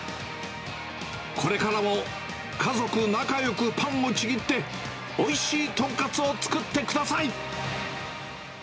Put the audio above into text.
これからも、家族仲よくパンをちぎって、おいしい豚カツを作ってください。